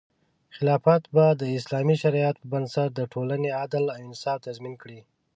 خلافت به د اسلامي شریعت په بنسټ د ټولنې عدل او انصاف تضمین کړي.